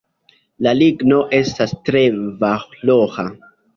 La ligno estas tre valora.